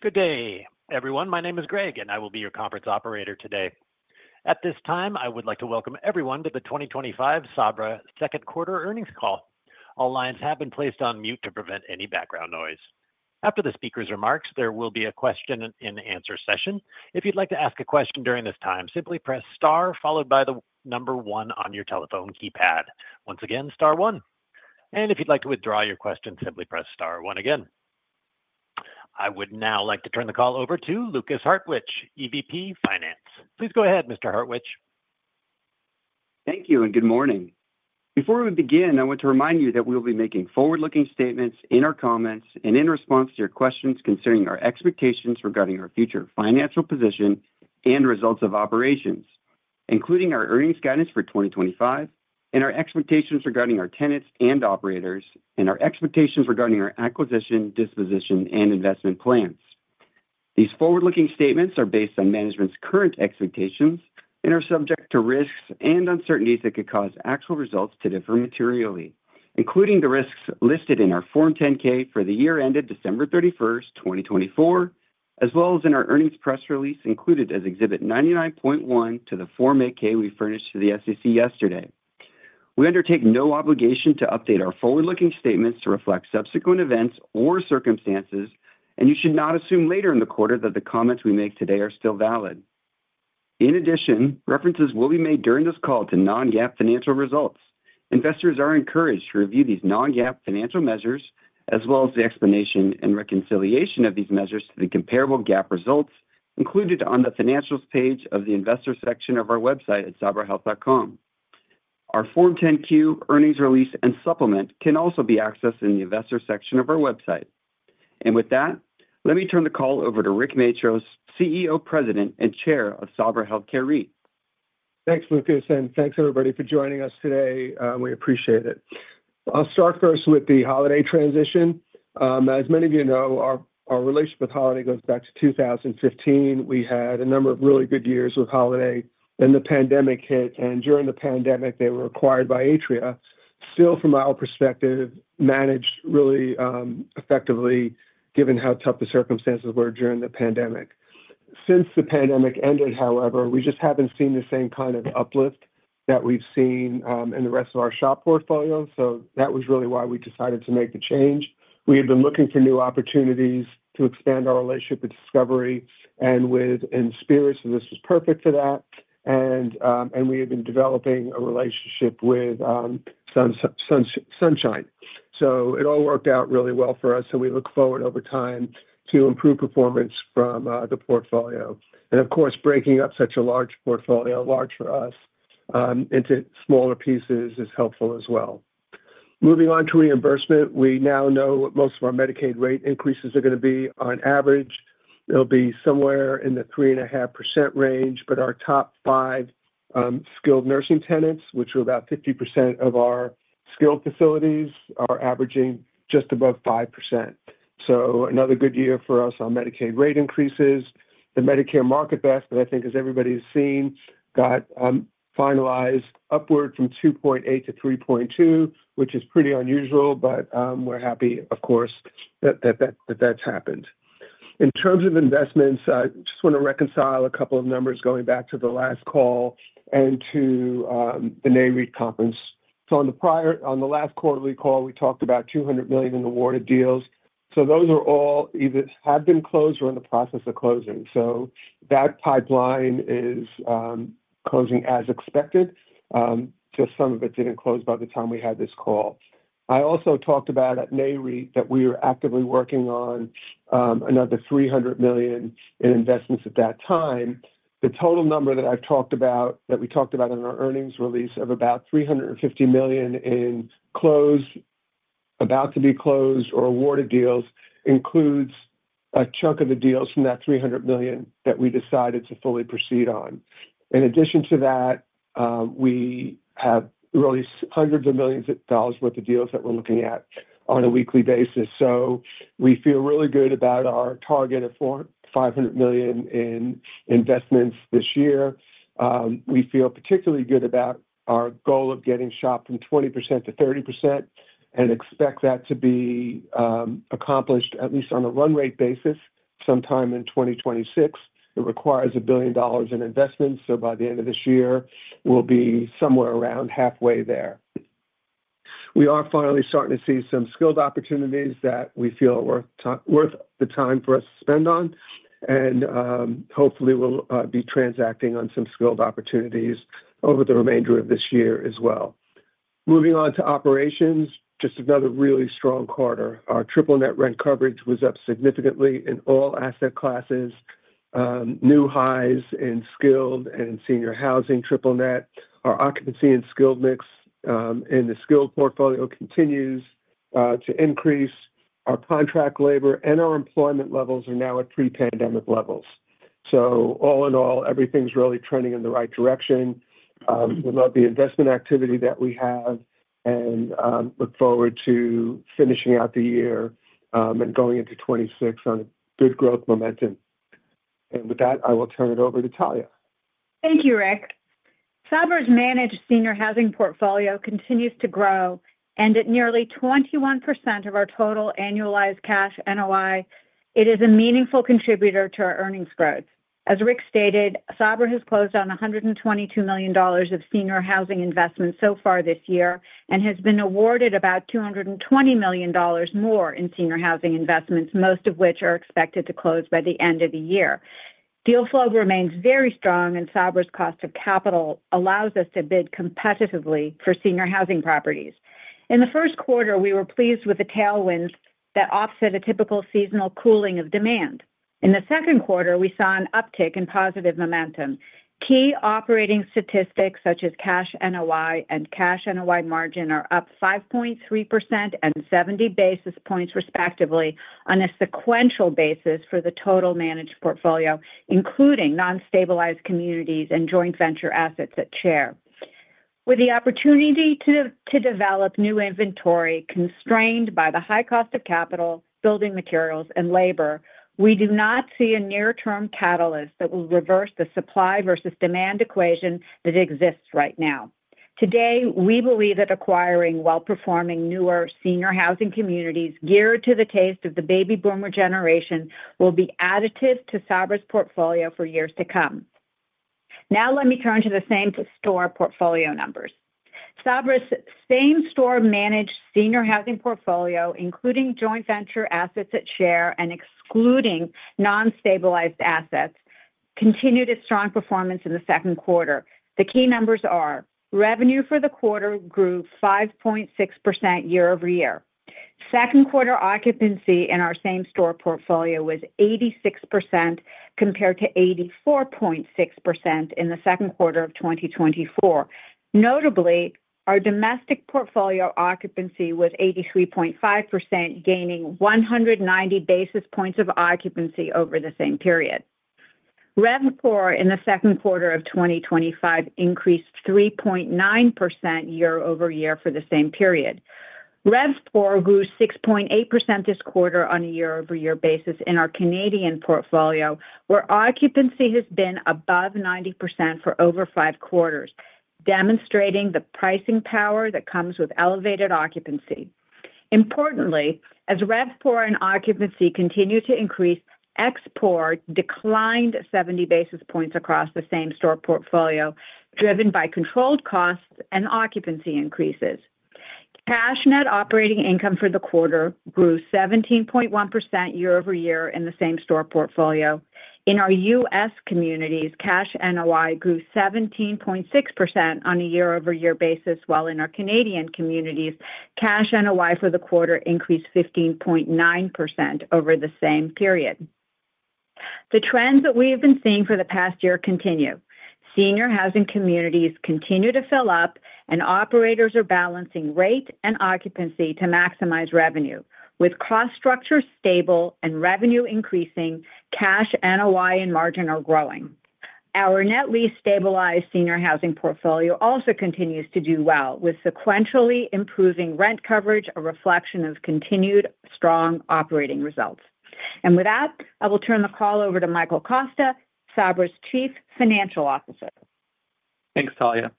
Good day, everyone. My name is Greg, and I will be your conference operator today. At this time, I would like to welcome everyone to the 2025 Sabra Second Quarter Earnings Call. All lines have been placed on mute to prevent any background noise. After the speaker's remarks, there will be a question and answer session. If you'd like to ask a question during this time, simply press star followed by the number one on your telephone keypad. Once again, star one. If you'd like to withdraw your question, simply press star one again. I would now like to turn the call over to Lukas Hartwich, EVP Finance. Please go ahead, Mr. Hartwich. Thank you and good morning. Before we begin, I want to remind you that we will be making forward-looking statements in our comments and in response to your questions concerning our expectations regarding our future financial position and results of operations, including our earnings guidance for 2025 and our expectations regarding our tenants and operators, and our expectations regarding our acquisition, disposition, and investment plans. These forward-looking statements are based on management's current expectations and are subject to risks and uncertainties that could cause actual results to differ materially, including the risks listed in our Form 10-K for the year ended December 31st, 2024, as well as in our earnings press release included as Exhibit 99.1 to the Form 8-K we furnished to the SEC yesterday. We undertake no obligation to update our forward-looking statements to reflect subsequent events or circumstances, and you should not assume later in the quarter that the comments we make today are still valid. In addition, references will be made during this call to non-GAAP financial results. Investors are encouraged to review these non-GAAP financial measures, as well as the explanation and reconciliation of these measures to the comparable GAAP results included on the financials page of the investor section of our website at sabrahealth.com. Our Form 10-Q earnings release and supplement can also be accessed in the investor section of our website. With that, let me turn the call over to Rick Matros, CEO, President, and Chair of Sabra Health Care REIT. Thanks, Lukas, and thanks everybody for joining us today. We appreciate it. I'll start first with the Holiday transition. As many of you know, our relationship with Holiday goes back to 2015. We had a number of really good years with Holiday, then the pandemic hit, and during the pandemic, they were acquired by Atria. Still, from our perspective, managed really effectively given how tough the circumstances were during the pandemic. Since the pandemic ended, however, we just haven't seen the same kind of uplift that we've seen in the rest of our SHOP portfolio. That was really why we decided to make the change. We had been looking for new opportunities to expand our relationship with Discovery and with Inspirit, and this was perfect for that. We had been developing a relationship with Sunshine. It all worked out really well for us. We look forward over time to improved performance from the portfolio. Of course, breaking up such a large portfolio, large for us, into smaller pieces is helpful as well. Moving on to reimbursement, we now know what most of our Medicaid rate increases are going to be. On average, it'll be somewhere in the 3.5% range, but our top five skilled nursing tenants, which are about 50% of our skilled facilities, are averaging just above 5%. Another good year for us on Medicaid rate increases. The Medicare market basket, I think as everybody's seen, got finalized upward from 2.8%-3.2%, which is pretty unusual, but we're happy, of course, that that's happened. In terms of investments, I just want to reconcile a couple of numbers going back to the last call and to the Nareit conference. On the last quarterly call, we talked about $200 million in awarded deals. Those are all either have been closed or in the process of closing. That pipeline is closing as expected. Just some of it didn't close by the time we had this call. I also talked about at Nareit that we are actively working on another $300 million in investments at that time. The total number that I've talked about, that we talked about in our earnings release of about $350 million in closed, about to be closed, or awarded deals includes a chunk of the deals from that $300 million that we decided to fully proceed on. In addition to that, we have really hundreds of millions of dollars' worth of deals that we're looking at on a weekly basis. We feel really good about our target of $500 million in investments this year. We feel particularly good about our goal of getting SHOP from 20%-30% and expect that to be accomplished at least on a run-rate basis sometime in 2026. It requires $1 billion in investments. By the end of this year, we'll be somewhere around halfway there. We are finally starting to see some skilled opportunities that we feel are worth the time for us to spend on. Hopefully, we'll be transacting on some skilled opportunities over the remainder of this year as well. Moving on to operations, just another really strong quarter. Our triple-net rent coverage was up significantly in all asset classes. New highs in skilled and senior housing triple-net. Our occupancy and skilled mix in the skilled portfolio continues to increase. Our contract labor and our employment levels are now at pre-pandemic levels. All in all, everything's really trending in the right direction. We love the investment activity that we have and look forward to finishing out the year and going into 2026 on a good growth momentum. With that, I will turn it over to Talya. Thank you, Rick. Sabra's managed senior housing portfolio continues to grow, and at nearly 21% of our total annualized cash NOI, it is a meaningful contributor to our earnings growth. As Rick stated, Sabra has closed on $122 million of senior housing investments so far this year and has been awarded about $220 million more in senior housing investments, most of which are expected to close by the end of the year. Deal flow remains very strong, and Sabra's cost of capital allows us to bid competitively for senior housing properties. In the first quarter, we were pleased with the tailwinds that offset a typical seasonal cooling of demand. In the second quarter, we saw an uptick in positive momentum. Key operating statistics such as cash NOI and cash NOI margin are up 5.3% and 70 basis points, respectively, on a sequential basis for the total managed portfolio, including non-stabilized communities and joint venture assets at share. With the opportunity to develop new inventory constrained by the high cost of capital, building materials, and labor, we do not see a near-term catalyst that will reverse the supply versus demand equation that exists right now. Today, we believe that acquiring well-performing newer senior housing communities geared to the taste of the baby boomer generation will be additive to Sabra's portfolio for years to come. Now, let me turn to the same store portfolio numbers. Sabra's same store managed senior housing portfolio, including joint venture assets at share and excluding non-stabilized assets, continued a strong performance in the second quarter. The key numbers are revenue for the quarter grew 5.6% year-over-year. Second quarter occupancy in our same store portfolio was 86% compared to 84.6% in the second quarter of 2024. Notably, our domestic portfolio occupancy was 83.5%, gaining 190 basis points of occupancy over the same period. RevPOR in the second quarter of 2025 increased 3.9% year-over-year for the same period. RevPOR grew 6.8% this quarter on a year-over-year basis in our Canadian portfolio, where occupancy has been above 90% for over five quarters, demonstrating the pricing power that comes with elevated occupancy. Importantly, as RevPOR and occupancy continue to increase, exPOR declined 70 basis points across the same store portfolio, driven by controlled costs and occupancy increases. Cash net operating income for the quarter grew 17.1% year-over-year in the same store portfolio. In our U.S. communities, cash NOI grew 17.6% on a year-over-year basis, while in our Canadian communities, cash NOI for the quarter increased 15.9% over the same period. The trends that we have been seeing for the past year continue. Senior housing communities continue to fill up, and operators are balancing rate and occupancy to maximize revenue. With cost structure stable and revenue increasing, cash NOI and margin are growing. Our net lease stabilized senior housing portfolio also continues to do well, with sequentially improving rent coverage, a reflection of continued strong operating results. With that, I will turn the call over to Michael Costa, Sabra Health Care REIT's Chief Financial Officer. Thanks, Talya.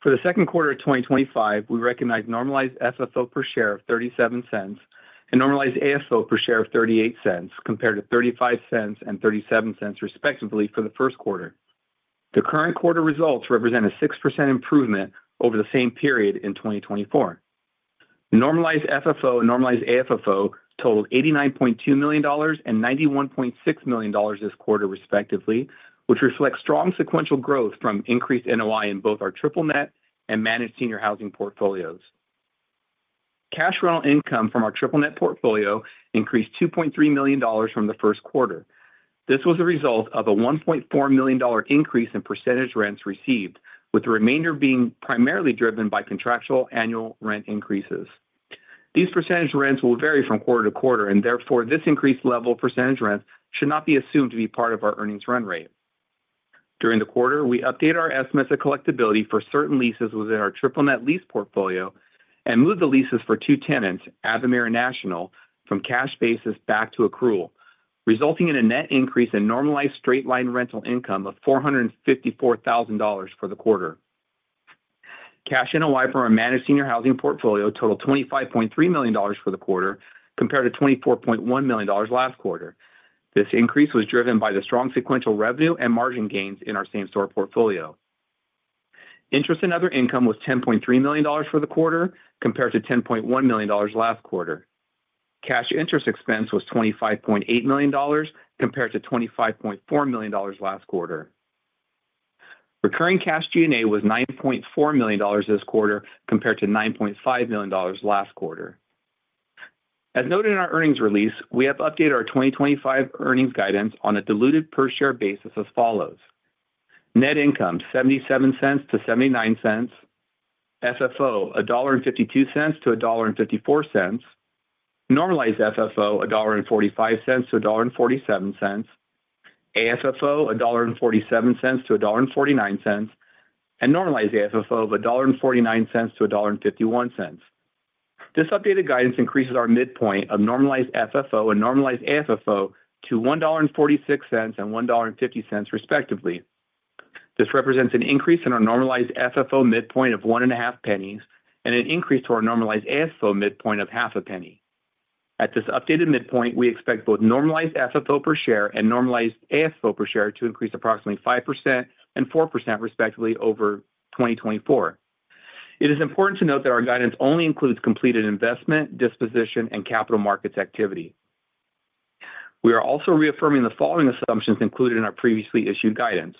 For the second quarter of 2025, we recognize normalized FFO per share of $0.37 and normalized AFFO per share of $0.38 compared to $0.35 and $0.37, respectively, for the first quarter. The current quarter results represent a 6% improvement over the same period in 2024. The normalized FFO and normalized AFFO totaled $89.2 million and $91.6 million this quarter, respectively, which reflects strong sequential growth from increased NOI in both our triple-net and managed senior housing portfolios. Cash rental income from our triple-net portfolio increased $2.3 million from the first quarter. This was a result of a $1.4 million increase in percentage rents received, with the remainder being primarily driven by contractual annual rent increases. These percentage rents will vary from quarter to quarter, and therefore, this increased level of percentage rent should not be assumed to be part of our earnings run rate. During the quarter, we updated our estimates of collectability for certain leases within our triple-net lease portfolio and moved the leases for two tenants, Avamere National, from cash basis back to accrual, resulting in a net increase in normalized straight-line rental income of $454,000 for the quarter. Cash NOI for our managed senior housing portfolio totaled $25.3 million for the quarter, compared to $24.1 million last quarter. This increase was driven by the strong sequential revenue and margin gains in our same-store portfolio. Interest and other income was $10.3 million for the quarter, compared to $10.1 million last quarter. Cash interest expense was $25.8 million, compared to $25.4 million last quarter. Recurring cash G&A was $9.4 million this quarter, compared to $9.5 million last quarter. As noted in our earnings release, we have updated our 2025 earnings guidance on a diluted per share basis as follows: Net income $0.77-$0.79, FFO $1.52-$1.54, normalized FFO $1.45-$1.47, AFFO $1.47-$1.49, and normalized AFFO $1.49-$1.51. This updated guidance increases our midpoint of normalized FFO and normalized AFFO to $1.46 and $1.50, respectively. This represents an increase in our normalized FFO midpoint of $0.15 and an increase to our normalized AFFO midpoint of $0.005. At this updated midpoint, we expect both normalized FFO per share and normalized AFFO per share to increase approximately 5% and 4%, respectively, over 2024. It is important to note that our guidance only includes completed investment, disposition, and capital markets activity. We are also reaffirming the following assumptions included in our previously issued guidance: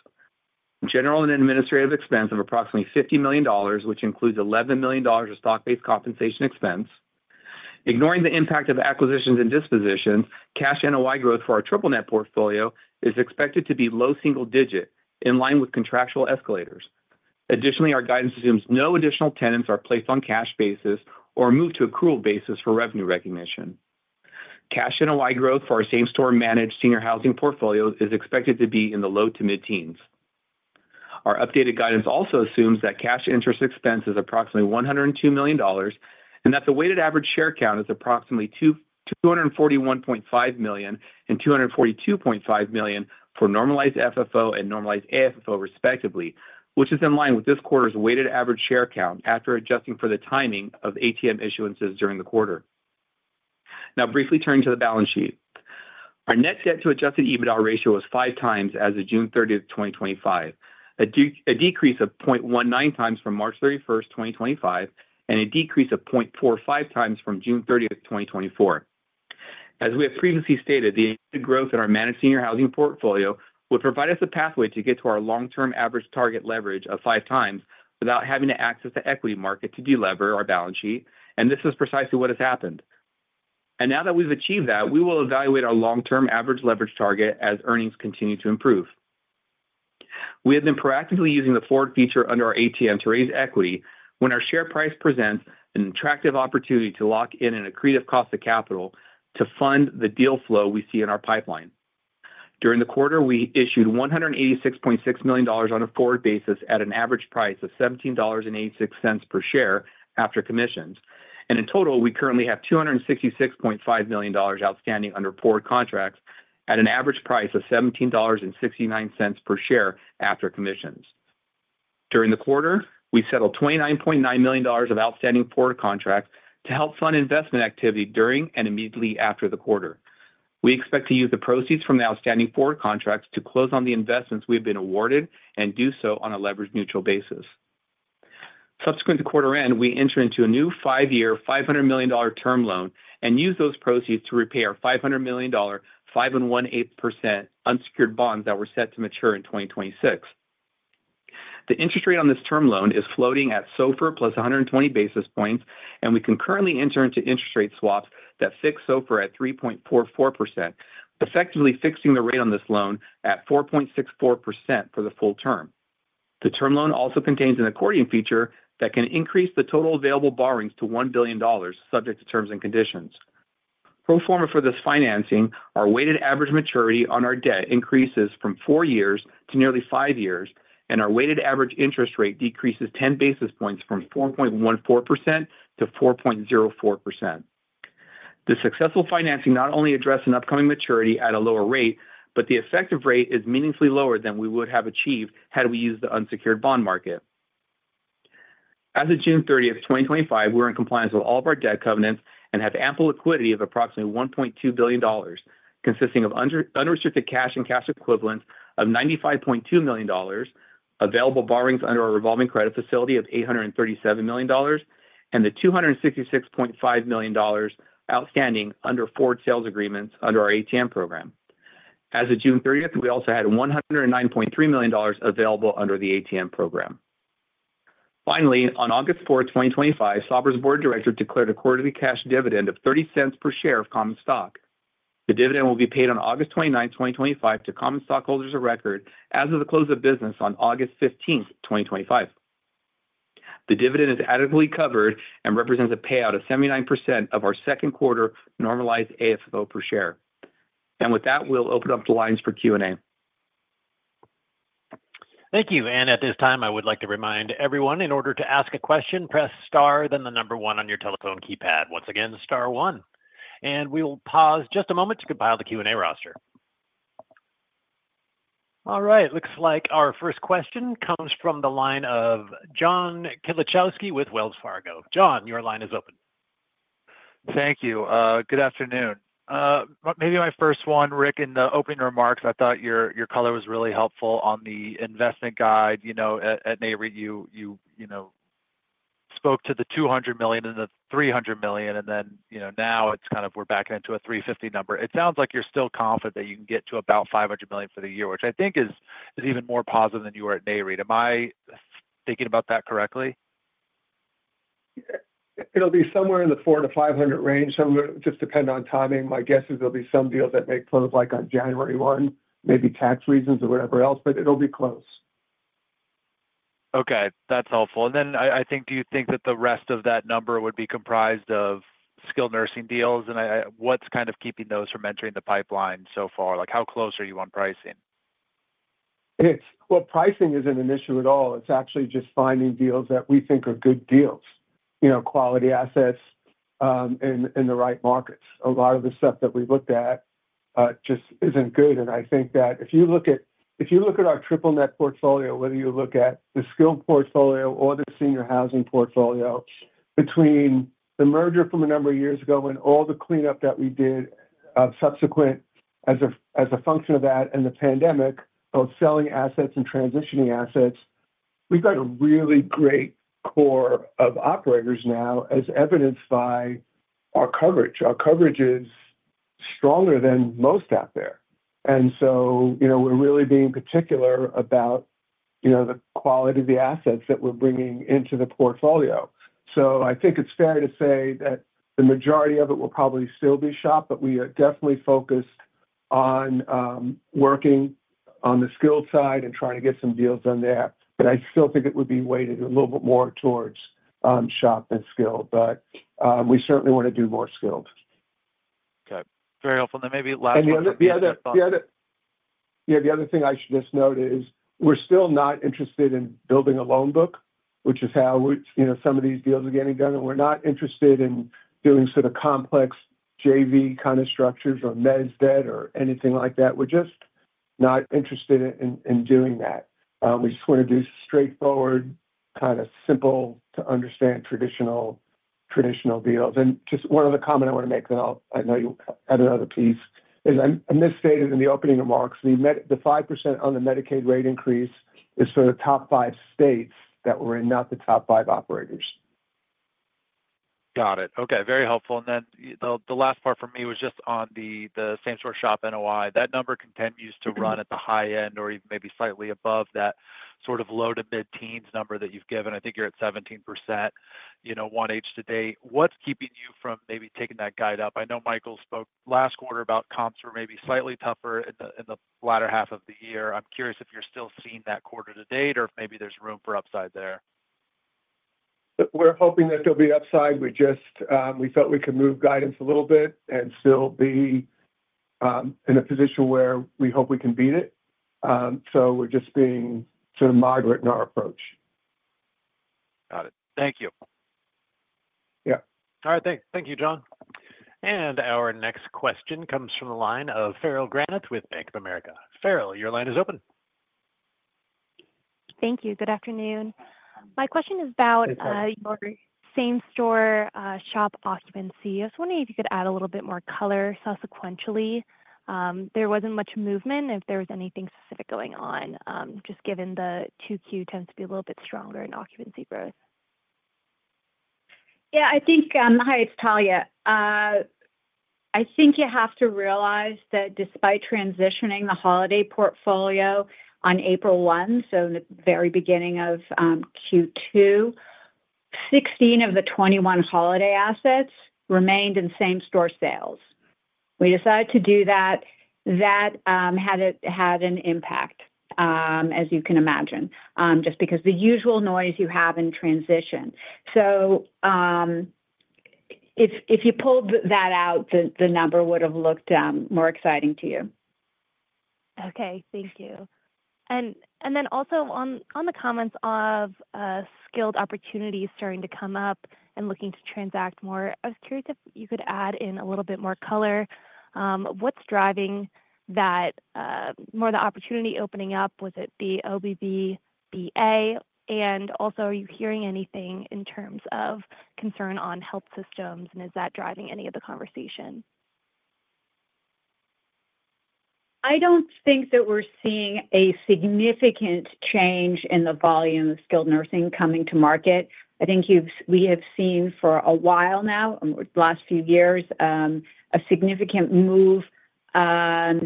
general and administrative expense of approximately $50 million, which includes $11 million of stock-based compensation expense. Ignoring the impact of acquisitions and dispositions, cash NOI growth for our triple-net portfolio is expected to be low single digit, in line with contractual escalators. Additionally, our guidance assumes no additional tenants are placed on cash basis or moved to accrual basis for revenue recognition. Cash NOI growth for our same store managed senior housing portfolio is expected to be in the low to mid-teens. Our updated guidance also assumes that cash interest expense is approximately $102 million and that the weighted average share count is approximately 241.5 million and 242.5 million for normalized FFO and normalized AFFO, respectively, which is in line with this quarter's weighted average share count after adjusting for the timing of ATM issuances during the quarter. Now briefly turning to the balance sheet. Our net debt to adjusted EBITDA ratio was five times as of June 30th, 2025, a decrease of 0.19x from March 31st, 2025, and a decrease of 0.45x from June 30th, 2024. As we have previously stated, the growth in our managed senior housing portfolio would provide us a pathway to get to our long-term average target leverage of 5x without having to access the equity market to delever our balance sheet, and this is precisely what has happened. Now that we've achieved that, we will evaluate our long-term average leverage target as earnings continue to improve. We have been proactively using the forward feature under our ATM to raise equity when our share price presents an attractive opportunity to lock in an accretive cost of capital to fund the deal flow we see in our pipeline. During the quarter, we issued $186.6 million on a forward basis at an average price of $17.86 per share after commissions. In total, we currently have $266.5 million outstanding under forward contracts at an average price of $17.69 per share after commissions. During the quarter, we settled $29.9 million of outstanding forward contracts to help fund investment activity during and immediately after the quarter. We expect to use the proceeds from the outstanding forward contracts to close on the investments we have been awarded and do so on a leverage-neutral basis. Subsequent to quarter end, we entered into a new five-year $500 million term loan and used those proceeds to repay $500 million 5.18% unsecured bonds that were set to mature in 2026. The interest rate on this term loan is floating at SOFR plus 120 basis points, and we concurrently entered into interest rate swaps that fix SOFR at 3.44%, effectively fixing the rate on this loan at 4.64% for the full term. The term loan also contains an accordion feature that can increase the total available borrowings to $1 billion, subject to terms and conditions. Pro forma for this financing, our weighted average maturity on our debt increases from four years to nearly five years, and our weighted average interest rate decreases 10 basis points from 4.14%-4.04%. The successful financing not only addresses an upcoming maturity at a lower rate, but the effective rate is meaningfully lower than we would have achieved had we used the unsecured bond market. As of June 30th, 2025, we are in compliance with all of our debt covenants and have ample liquidity of approximately $1.2 billion, consisting of unrestricted cash and cash equivalents of $95.2 million, available borrowings under our revolving credit facility of $837 million, and the $266.5 million outstanding under forward sales agreements under our ATM program. As of June 30th, we also had $109.3 million available under the ATM program. Finally, on August 4th, 2025, Sabra's board of directors declared a quarterly cash dividend of $0.30 per share of common stock. The dividend will be paid on August 29th, 2025, to common stockholders of record as of the close of business on August 15th, 2025. The dividend is adequately covered and represents a payout of 79% of our second quarter normalized AFFO per share. With that, we'll open up the lines for Q&A. Thank you. At this time, I would like to remind everyone, in order to ask a question, press star, then the number one on your telephone keypad. Once again, star one. We'll pause just a moment to compile the Q&A roster. It looks like our first question comes from the line of John Kilichowski with Wells Fargo. John, your line is open. Thank you. Good afternoon. Maybe my first one, Rick, in the opening remarks, I thought your color was really helpful on the investment guide. At Nareit, you spoke to the $200 million and the $300 million, and then now it's kind of we're backing into a $350 million number. It sounds like you're still confident that you can get to about $500 million for the year, which I think is even more positive than you were at Nareit. Am I thinking about that correctly? It'll be somewhere in the $400-$500 range. Some of it just depends on timing. My guess is there'll be some deals that may close like on January 1st, maybe tax reasons or whatever else, but it'll be close. Okay, that's helpful. Do you think that the rest of that number would be comprised of skilled nursing deals? What's kind of keeping those from entering the pipeline so far? How close are you on pricing? Pricing isn't an issue at all. It's actually just finding deals that we think are good deals, you know, quality assets in the right markets. A lot of the stuff that we looked at just isn't good. I think that if you look at our triple-net portfolio, whether you look at the skilled portfolio or the senior housing portfolio, between the merger from a number of years ago and all the cleanup that we did as a function of that and the pandemic, both selling assets and transitioning assets, we've got a really great core of operators now, as evidenced by our coverage. Our coverage is stronger than most out there. We're really being particular about the quality of the assets that we're bringing into the portfolio. I think it's fair to say that the majority of it will probably still be SHOP, but we are definitely focused on working on the skilled side and trying to get some deals done there. I still think it would be weighted a little bit more towards SHOP than skilled, but we certainly want to do more skilled. Okay, very helpful. Maybe last question. Yeah, the other thing I should just note is we're still not interested in building a loan book, which is how some of these deals are getting done. We're not interested in doing sort of complex JV kind of structures or mezz debt or anything like that. We're just not interested in doing that. We just want to do straightforward, kind of simple to understand traditional deals. Just one other comment I want to make, and I know you had another piece, is I misstated in the opening remarks, the 5% on the Medicaid rate increase is for the top five states that we're in, not the top five operators. Got it. Okay, very helpful. The last part for me was just on the same store SHOP NOI. That number continues to run at the high end or even maybe slightly above that sort of low to mid-teens number that you've given. I think you're at 17%, you know, 1H to date. What's keeping you from maybe taking that guide up? I know Michael spoke last quarter about comps were maybe slightly tougher in the latter half of the year. I'm curious if you're still seeing that quarter to date or if maybe there's room for upside there. We're hoping that there'll be upside. We just felt we could move guidance a little bit and still be in a position where we hope we can beat it. We're just being sort of moderate in our approach. Got it. Thank you. Yeah.All right, thanks. Thank you, John. Our next question comes from the line of Farrell Granath with Bank of America. Farrell, your line is open. Thank you. Good afternoon. My question is about your same store SHOP occupancy. I was wondering if you could add a little bit more color. I saw sequentially there wasn't much movement, if there was anything specific going on, just given the Q2 tends to be a little bit stronger in occupancy growth. Yeah, I think, hi, it's Talya. I think you have to realize that despite transitioning the Holiday portfolio on April 1st, in the very beginning of Q2, 16 of the 21 Holiday assets remained in same store sales. We decided to do that. That had an impact, as you can imagine, just because of the usual noise you have in transition. If you pulled that out, the number would have looked more exciting to you. Okay, thank you. Also, on the comments of skilled opportunities starting to come up and looking to transact more, I was curious if you could add in a little bit more color. What's driving that, more of the opportunity opening up? Was it the OBVBA? Are you hearing anything in terms of concern on health systems, and is that driving any of the conversation? I don't think that we're seeing a significant change in the volume of skilled nursing coming to market. I think we have seen for a while now, the last few years, a significant move of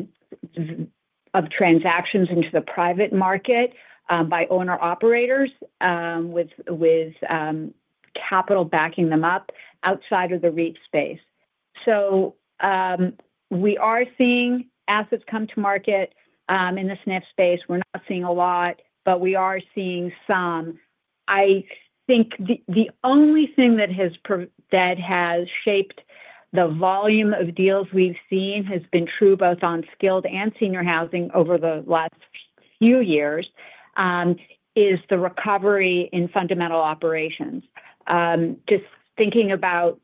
transactions into the private market by owner-operators with capital backing them up outside of the REIT space. We are seeing assets come to market in the SNF space. We're not seeing a lot, but we are seeing some. I think the only thing that has shaped the volume of deals we've seen, which has been true both on skilled and senior housing over the last few years, is the recovery in fundamental operations. Just thinking about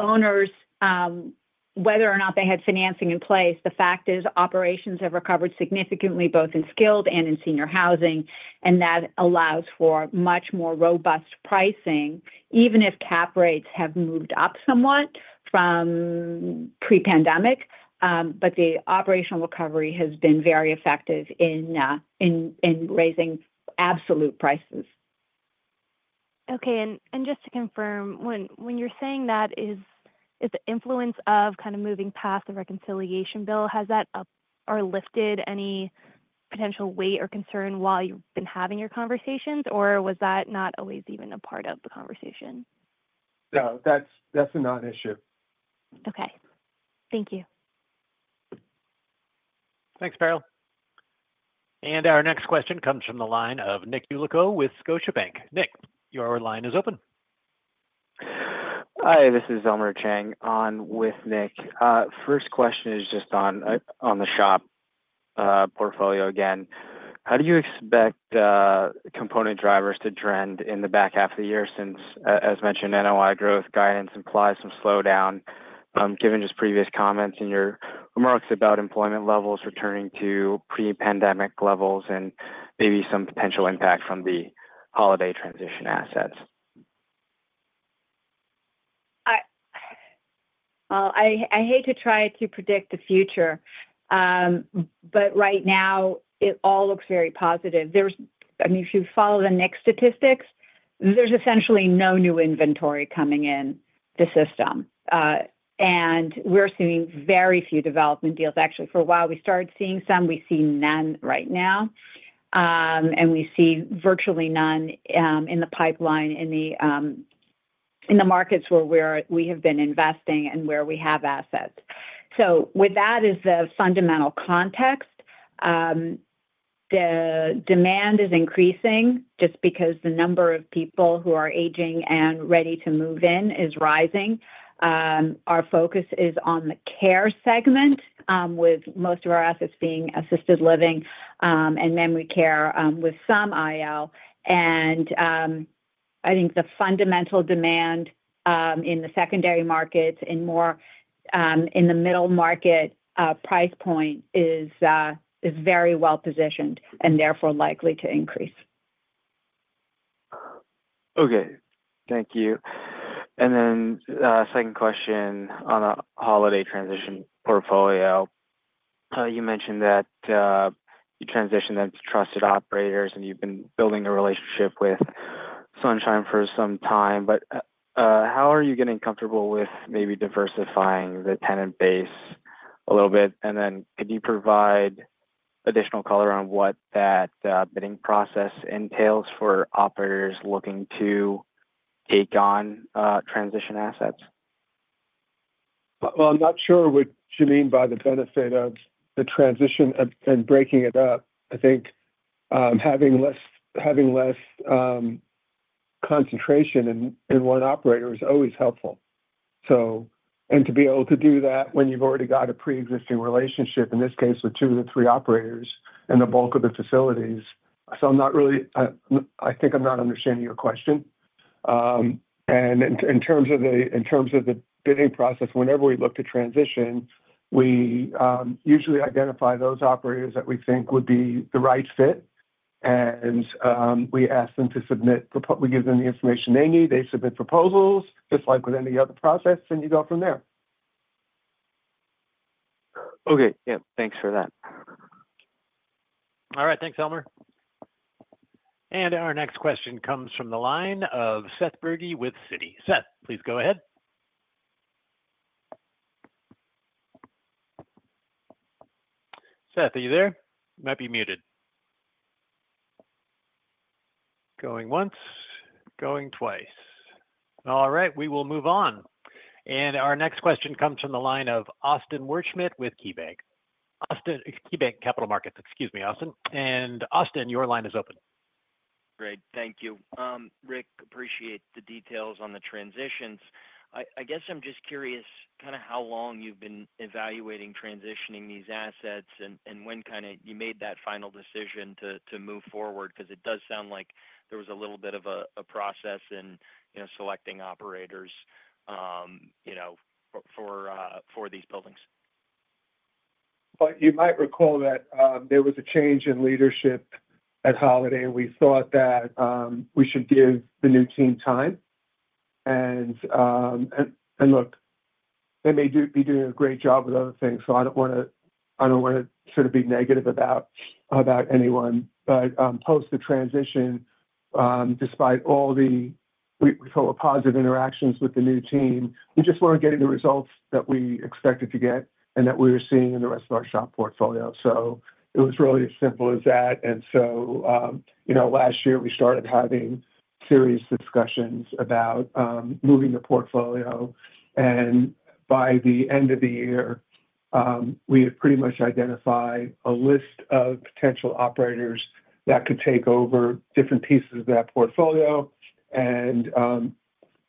owners, whether or not they had financing in place, the fact is operations have recovered significantly both in skilled and in senior housing, and that allows for much more robust pricing, even if cap rates have moved up somewhat from pre-pandemic. The operational recovery has been very effective in raising absolute prices. Okay. Just to confirm, when you're saying that, is the influence of kind of moving past the reconciliation bill, has that up or lifted any potential weight or concern while you've been having your conversations, or was that not always even a part of the conversation? No, that's non issue. Okay, thank you. Thanks, Farrell. Our next question comes from the line of Nick Yulico with Scotiabank. Nick, your line is open. Hi, this is Elmer Chang on with Nick. First question is just on the SHOP portfolio again. How do you expect component drivers to trend in the back half of the year since, as mentioned, NOI growth guidance implies some slowdown, given just previous comments in your remarks about employment levels returning to pre-pandemic levels and maybe some potential impact from the Holiday transition assets? I hate to try to predict the future. Right now, it all looks very positive. If you follow the NIX statistics, there's essentially no new inventory coming in the system. We're seeing very few development deals. Actually, for a while, we started seeing some. We see none right now, and we see virtually none in the pipeline in the markets where we have been investing and where we have assets. With that as the fundamental context, the demand is increasing just because the number of people who are aging and ready to move in is rising. Our focus is on the care segment, with most of our assets being assisted living and memory care with some IL. I think the fundamental demand in the secondary markets and more in the middle market price point is very well positioned and therefore likely to increase. Okay. Thank you. Second question on the Holiday transition portfolio. You mentioned that you transitioned into trusted operators and you've been building a relationship with Sunshine for some time. How are you getting comfortable with maybe diversifying the tenant base a little bit? Could you provide additional color on what that bidding process entails for operators looking to take on transition assets? I'm not sure what you mean by the benefit of the transition and breaking it up. I think having less concentration in one operator is always helpful, and to be able to do that when you've already got a pre-existing relationship, in this case, with two of the three operators and the bulk of the facilities. I'm not really, I think I'm not understanding your question. In terms of the bidding process, whenever we look to transition, we usually identify those operators that we think would be the right fit. We ask them to submit, we give them the information they need. They submit proposals, just like with any other process, and you go from there. Okay, yeah. Thanks for that. All right. Thanks, Elmer. Our next question comes from the line of Seth Bergey with Citigroup Inc. Seth, please go ahead. Seth, are you there? You might be muted. Going once, going twice. All right. We will move on. Our next question comes from the line of Austin Wurschmidt with KeyBanc Capital Markets. Austin, your line is open. Great. Thank you. Rick, appreciate the details on the transitions. I'm just curious how long you've been evaluating transitioning these assets and when you made that final decision to move forward because it does sound like there was a little bit of a process in selecting operators for these buildings. You might recall that there was a change in leadership at Holiday, and we thought that we should give the new team time. They may be doing a great job with other things, so I don't want to sort of be negative about anyone. Post the transition, despite all the, we call it, positive interactions with the new team, we just weren't getting the results that we expected to get and that we were seeing in the rest of our SHOP portfolio. It was really as simple as that. Last year, we started having serious discussions about moving the portfolio. By the end of the year, we had pretty much identified a list of potential operators that could take over different pieces of that portfolio and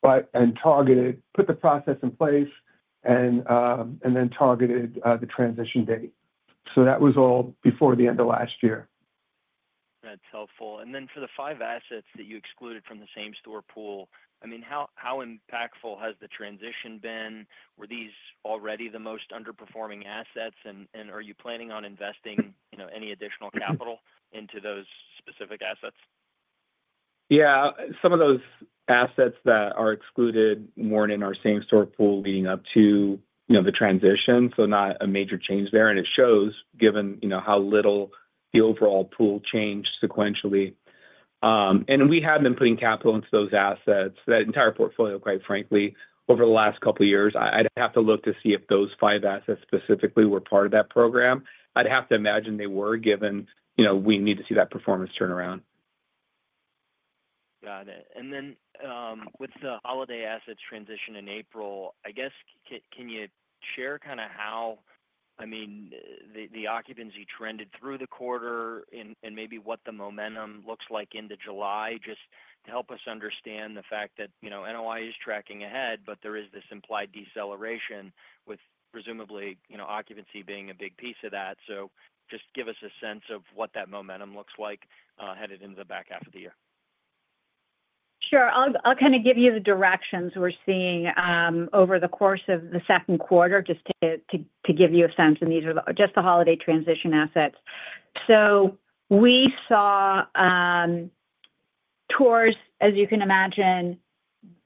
put the process in place and then targeted the transition date. That was all before the end of last year. That's helpful. For the five assets that you excluded from the same store pool, how impactful has the transition been? Were these already the most underperforming assets? Are you planning on investing any additional capital into those specific assets? Yes. Some of those assets that are excluded weren't in our same store pool leading up to the transition. Not a major change there. It shows, given how little the overall pool changed sequentially. We have been putting capital into those assets, that entire portfolio, quite frankly, over the last couple of years. I'd have to look to see if those five assets specifically were part of that program. I'd have to imagine they were, given we need to see that performance turn around. Got it. With the Holiday assets transition in April, can you share kind of how the occupancy trended through the quarter and maybe what the momentum looks like into July, just to help us understand the fact that NOI is tracking ahead, but there is this implied deceleration with presumably occupancy being a big piece of that. Just give us a sense of what that momentum looks like headed into the back half of the year. Sure. I'll kind of give you the directions we're seeing over the course of the second quarter, just to give you a sense. These are just the Holiday transition assets. We saw tours, as you can imagine,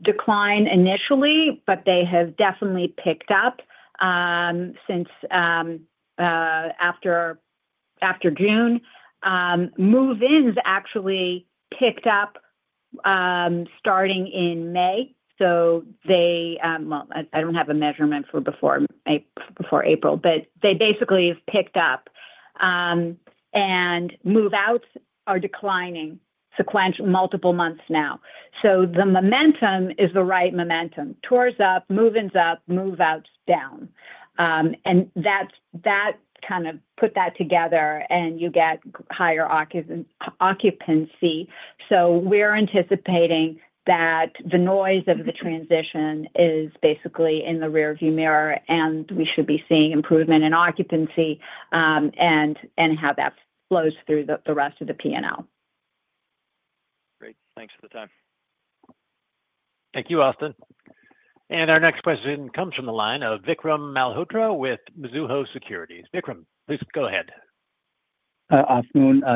decline initially, but they have definitely picked up since after June. Move-ins actually picked up starting in May. I don't have a measurement for before April, but they basically have picked up. Move-outs are declining sequential multiple months now. The momentum is the right momentum. Tours up, move-ins up, move-outs down. That kind of puts that together, and you get higher occupancy. We're anticipating that the noise of the transition is basically in the rearview mirror, and we should be seeing improvement in occupancy and how that flows through the rest of the P&L. Great. Thanks for the time. Thank you, Austin. Our next question comes from the line of Vikram Malhotra with Mizuho Securities. Vikram, please go ahead. Hi.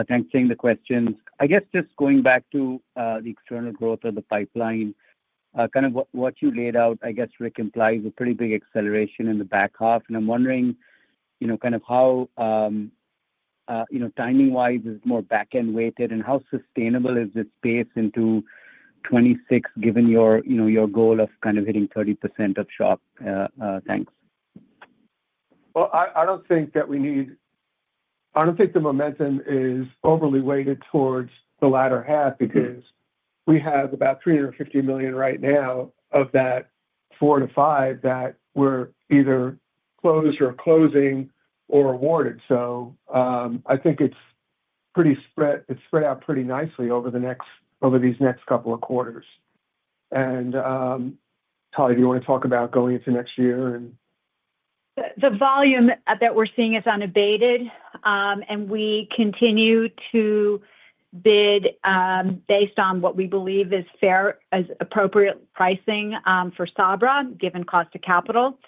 Thanks for the question. I guess just going back to the external growth of the pipeline, kind of what you laid out, I guess, Rick, implies a pretty big acceleration in the back half. I'm wondering, you know, kind of how, you know, timing-wise, is it more back-end weighted? How sustainable is this pace into 2026, given your, you know, your goal of kind of hitting 30% of SHOP tanks? I don't think the momentum is overly weighted towards the latter half because we have about $350 million right now of that $4 billion-$5 billion that we're either closed or closing or awarded. I think it's pretty spread out pretty nicely over these next couple of quarters. Talya, do you want to talk about going into next year? The volume that we're seeing is unabated. We continue to bid based on what we believe is fair, is appropriate pricing for Sabra, given cost of capital.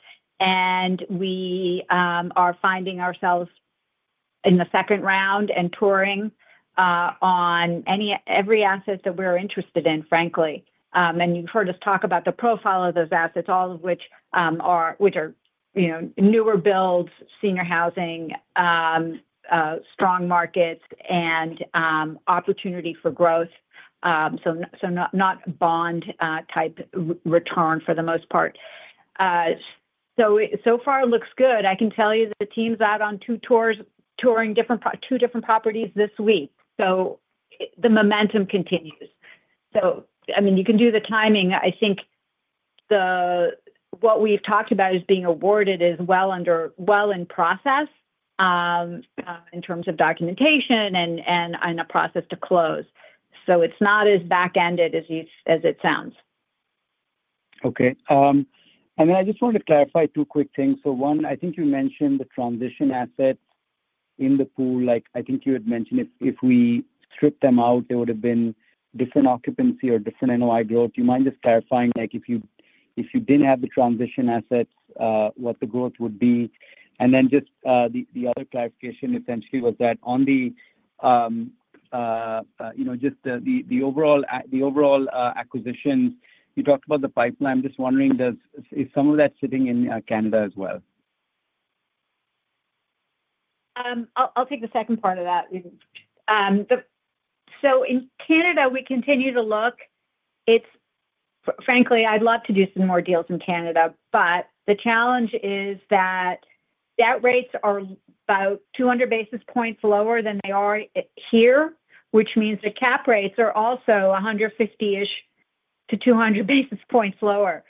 We are finding ourselves in the second round and touring on every asset that we're interested in, frankly. You've heard us talk about the profile of those assets, all of which are newer builds, senior housing, strong markets, and opportunity for growth. Not bond-type return for the most part. So far, it looks good. I can tell you that the team's out on two tours, touring two different properties this week. The momentum continues. I mean, you can do the timing. I think what we've talked about is being awarded is well in process in terms of documentation and in a process to close. It's not as back-ended as it sounds. Okay. I just wanted to clarify two quick things. For one, I think you mentioned the transition asset in the pool. I think you had mentioned if we stripped them out, there would have been different occupancy or different NOI growth. Do you mind just clarifying if you didn't have the transition asset, what the growth would be? The other clarification essentially was that on the overall acquisitions, you talked about the pipeline. I'm just wondering, does some of that sit in Canada as well? I'll take the second part of that. In Canada, we continue to look. Frankly, I'd love to do some more deals in Canada, but the challenge is that debt rates are about 200 basis points lower than they are here, which means the cap rates are also 150-200 basis points lower.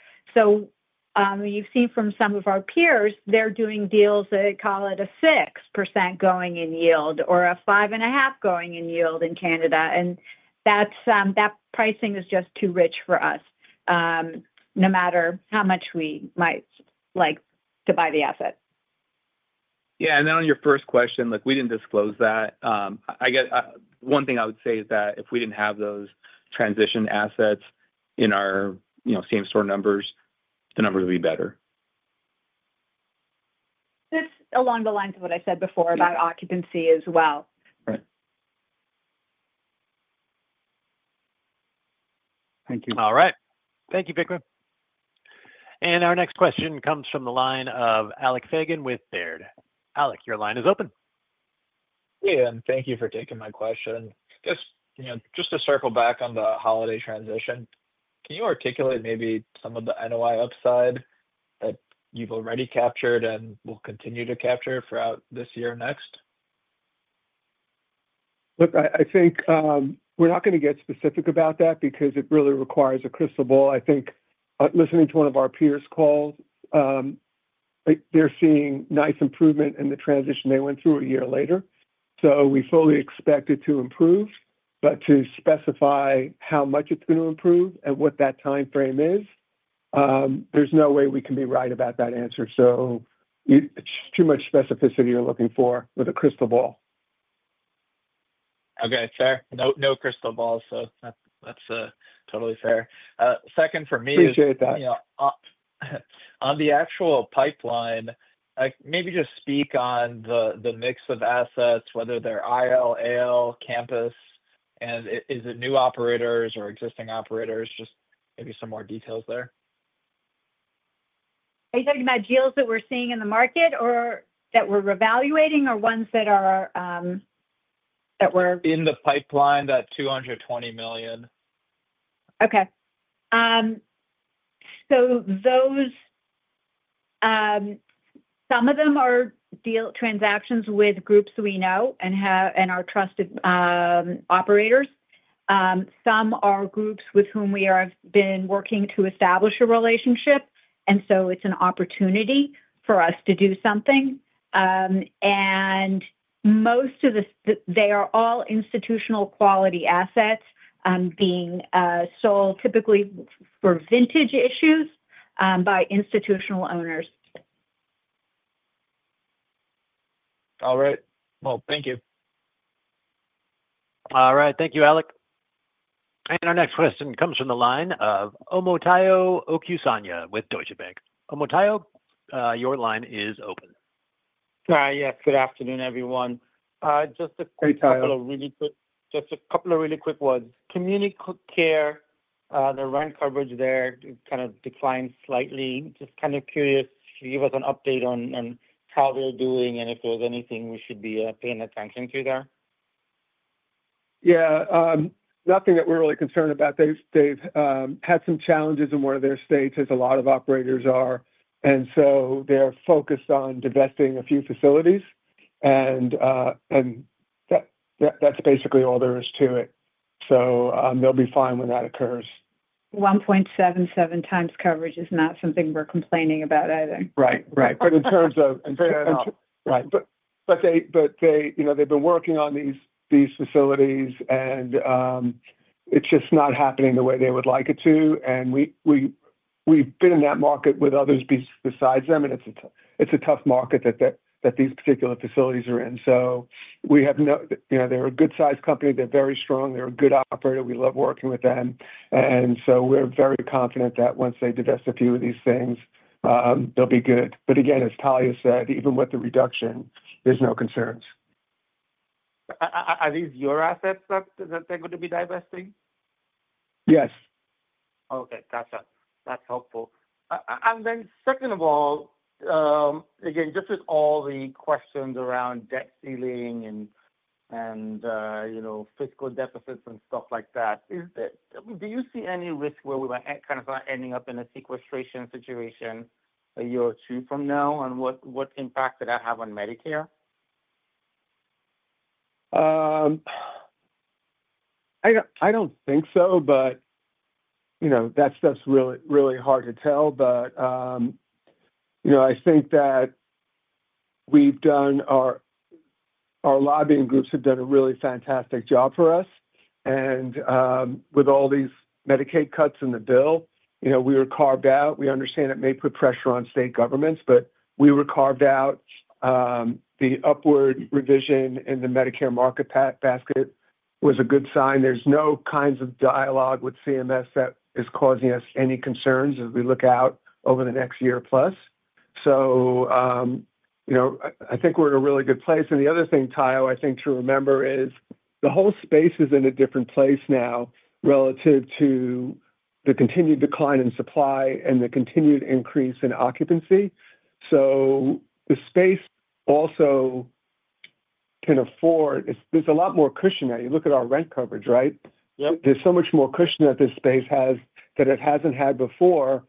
You've seen from some of our peers, they're doing deals that call it a 6% going-in yield or a 5.5% going-in yield in Canada. That pricing is just too rich for us, no matter how much we might like to buy the asset. Yeah. On your first question, look, we didn't disclose that. I guess one thing I would say is that if we didn't have those transition assets in our same store numbers, the numbers would be better. That's along the lines of what I said before about occupancy as well. Right. Thank you. All right. Thank you, Vikram. Our next question comes from the line of Alec Feygin with Baird. Alec, your line is open. Hey, and thank you for taking my question. I guess, you know, just to circle back on the Holiday transition, can you articulate maybe some of the NOI upside that you've already captured and will continue to capture throughout this year and next? Look, I think we're not going to get specific about that because it really requires a crystal ball. I think listening to one of our peers' call, they're seeing nice improvement in the transition they went through a year later. We fully expect it to improve, but to specify how much it's going to improve and what that timeframe is, there's no way we can be right about that answer. It's too much specificity you're looking for with a crystal ball. Okay, fair. No crystal ball. That's totally fair. Second for me. Appreciate that. On the actual pipeline, maybe just speak on the mix of assets, whether they're IL, AL, campus, and is it new operators or existing operators. Just maybe some more details there. Are you talking about deals that we're seeing in the market or that we're evaluating or ones that are? In the pipeline, that $220 million. Okay. Those, some of them are deal transactions with groups we know and have and are trusted operators. Some are groups with whom we have been working to establish a relationship. It's an opportunity for us to do something. Most of this, they are all institutional quality assets being sold typically for vintage issues by institutional owners. All right. Thank you. All right. Thank you, Alec. Our next question comes from the line of Omotayo Okusanya with Deutsche Bank. Omotayo, your line is open. Yes. Good afternoon, everyone. Just a couple of really quick ones. Community Care, the rent coverage there kind of declined slightly. Just kind of curious if you could give us an update on how they're doing and if there's anything we should be paying attention to there. Yeah. Nothing that we're really concerned about. They've had some challenges in one of their states as a lot of operators are. They are focused on divesting a few facilities. That's basically all there is to it. They'll be fine when that occurs. 1.77x coverage is not something we're complaining about either. Right, right. In terms of, and fair enough, right. They've been working on these facilities, and it's just not happening the way they would like it to. We've been in that market with others besides them, and it's a tough market that these particular facilities are in. We have no, you know, they're a good-sized company. They're very strong. They're a good operator. We love working with them. We're very confident that once they divest a few of these things, they'll be good. As Talya said, even with the reduction, there's no concerns. Are these your assets that they're going to be divesting? Yes. Okay. That's helpful. Second of all, just with all the questions around debt ceiling and, you know, fiscal deficits and stuff like that, do you see any risk where we might kind of end up in a sequestration situation a year or two from now, and what impact could that have on Medicare? I don't think so, but you know, that stuff's really, really hard to tell. I think that we've done, our lobbying groups have done a really fantastic job for us. With all these Medicaid cuts in the bill, we were carved out. We understand it may put pressure on state governments, but we were carved out. The upward revision in the Medicare market basket was a good sign. There's no kinds of dialogue with CMS that is causing us any concerns as we look out over the next year plus. I think we're in a really good place. The other thing, Tayo, I think to remember is the whole space is in a different place now relative to the continued decline in supply and the continued increase in occupancy. The space also can afford, there's a lot more cushion there. You look at our rent coverage, right? There's so much more cushion that this space has that it hasn't had before.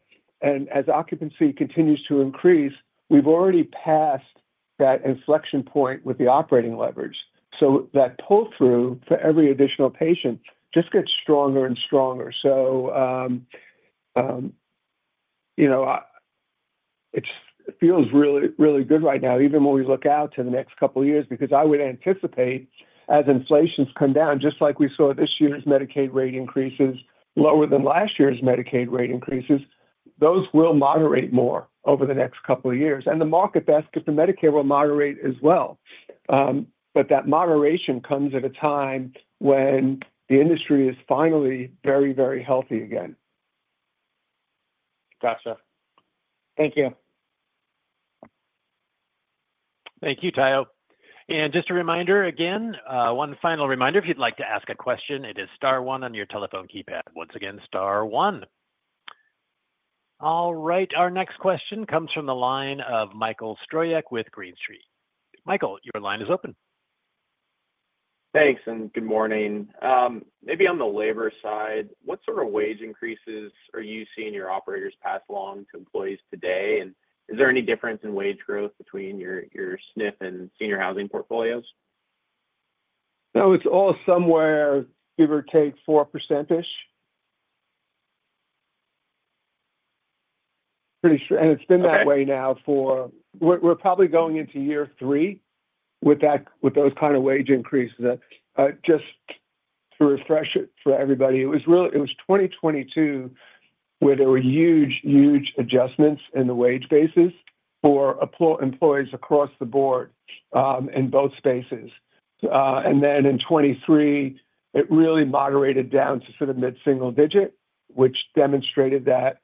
As occupancy continues to increase, we've already passed that inflection point with the operating leverage. That pull-through for every additional patient just gets stronger and stronger. It feels really, really good right now, even when we look out to the next couple of years, because I would anticipate as inflation's come down, just like we saw this year's Medicaid rate increases lower than last year's Medicaid rate increases, those will moderate more over the next couple of years. The market basket for Medicare will moderate as well. That moderation comes at a time when the industry is finally very, very healthy again. Gotcha. Thank you. Thank you, Tayo. Just a reminder, again, one final reminder, if you'd like to ask a question, it is star one on your telephone keypad. Once again, star one. All right. Our next question comes from the line of Michael Stroyeck with Green Street. Michael, your line is open. Thanks, and good morning. Maybe on the labor side, what sort of wage increases are you seeing your operators pass along to employees today? Is there any difference in wage growth between your SNF and senior housing portfolios? No, it's all somewhere, give or take, 4%-ish. Pretty sure. It's been that way now for, we're probably going into year three with that, with those kind of wage increases. Just to refresh it for everybody, it was really, it was 2022 where there were huge, huge adjustments in the wage basis for employees across the board in both spaces. In 2023, it really moderated down to sort of mid-single digit, which demonstrated that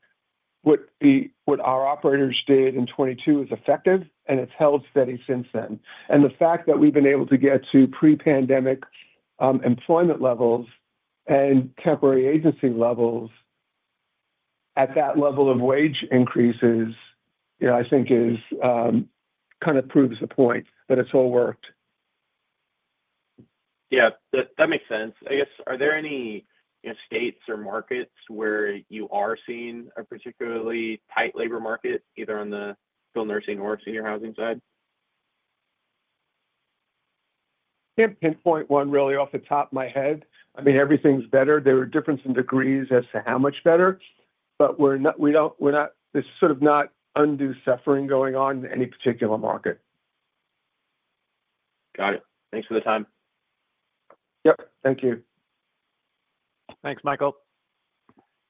what our operators did in 2022 was effective, and it's held steady since then. The fact that we've been able to get to pre-pandemic employment levels and temporary agency levels at that level of wage increases, you know, I think kind of proves a point that it's all worked. Yeah, that makes sense. I guess, are there any states or markets where you are seeing a particularly tight labor market, either on the skilled nursing or senior housing side? Can't pinpoint one really off the top of my head. I mean, everything's better. There are different degrees as to how much better, but we're not, we're not, this is sort of not undue suffering going on in any particular market. Got it. Thanks for the time. Yep, thank you. Thanks, Michael.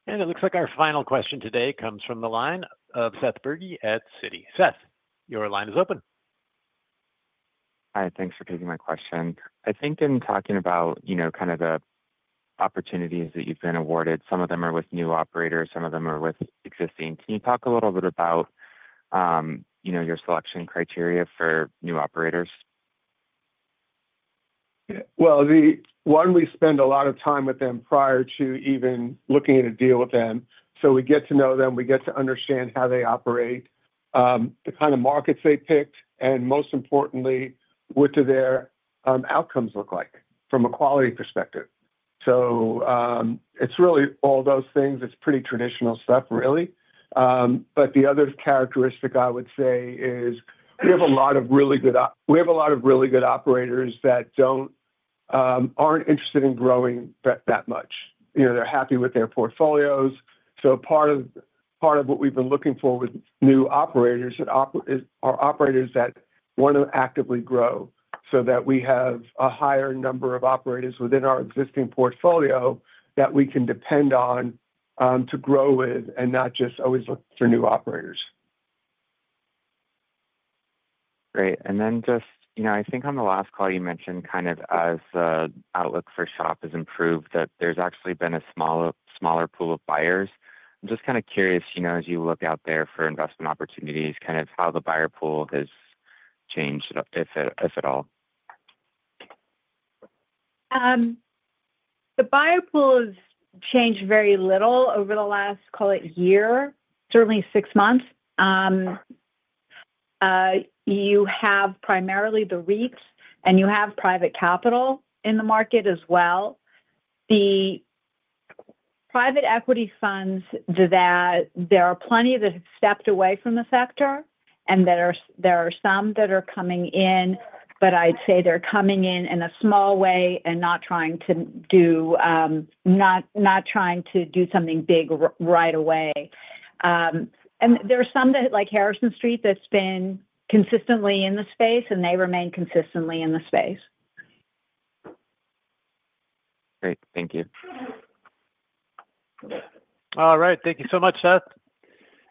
It looks like our final question today comes from the line of Seth Bergey at Citigroup Inc. Seth, your line is open. Hi, thanks for taking my question. In talking about, you know, kind of the opportunities that you've been awarded, some of them are with new operators, some of them are with existing. Can you talk a little bit about, you know, your selection criteria for new operators? We spend a lot of time with them prior to even looking at a deal with them. We get to know them, we get to understand how they operate, the kind of markets they pick, and most importantly, what do their outcomes look like from a quality perspective. It's really all those things. It's pretty traditional stuff, really. The other characteristic I would say is we have a lot of really good operators that aren't interested in growing that much. They're happy with their portfolios. Part of what we've been looking for with new operators are operators that want to actively grow so that we have a higher number of operators within our existing portfolio that we can depend on to grow with and not just always look for new operators. Great. I think on the last call, you mentioned kind of as the outlook for SHOP has improved, that there's actually been a smaller pool of buyers. I'm just kind of curious, as you look out there for investment opportunities, how the buyer pool has changed, if at all. The buyer pool has changed very little over the last, call it, year, certainly six months. You have primarily the REITs, and you have private capital in the market as well. The private equity funds, there are plenty that have stepped away from the sector, and there are some that are coming in, but I'd say they're coming in in a small way and not trying to do something big right away. There are some that, like Harrison Street, that's been consistently in the space, and they remain consistently in the space. Great. Thank you. All right. Thank you so much, Seth.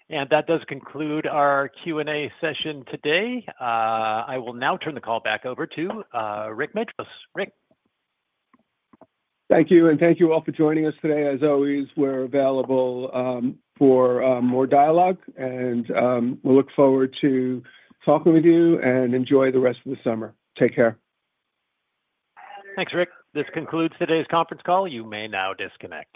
That does conclude our Q&A session today. I will now turn the call back over to Rick Matros. Rick. Thank you, and thank you all for joining us today. As always, we're available for more dialogue, and we'll look forward to talking with you. Enjoy the rest of the summer. Take care. Thanks, Rick. This concludes today's conference call. You may now disconnect.